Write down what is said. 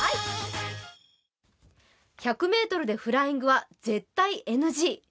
１００ｍでフライングは絶対ＮＧ。